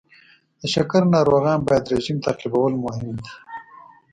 د شکر ناروغان باید رژیم تعقیبول مهم دی.